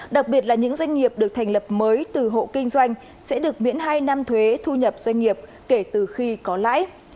đặc biệt là những doanh nghiệp được thành lập mới từ hộ kinh doanh sẽ được miễn hai năm thuế thu nhập doanh nghiệp kể từ khi có lãi